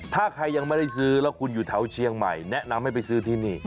ถ้าใครยังไม่ได้ซื้อแล้วคุณอยู่แถวเชียงใหม่แนะนำให้ไปซื้อที่นี่